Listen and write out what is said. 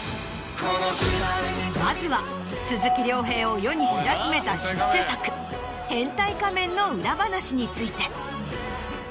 まずは鈴木亮平を世に知らしめた出世作『変態仮面』の裏話について。